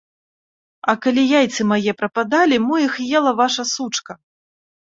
А калі яйцы мае прападалі, мо іх ела ваша сучка.